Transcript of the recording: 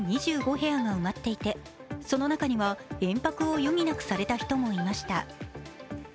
部屋が埋まっていて、その中には延泊を余儀なくされた人もいました。